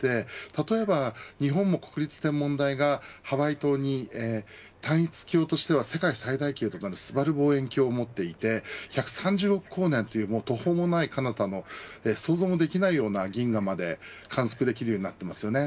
例えば日本も国立天文台がハワイ島に単一鏡としては世界最大級となるすばる望遠鏡を持っていて１３０億光年という途方もないかなたの想像もできないような銀河まで観測できるようになっています。